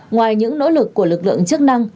ngoài những nỗ lực của lực lượng chức năng